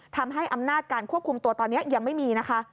ทำให้อำนาจการควบคุมตัวตอนนี้ยังไม่มีนะคะ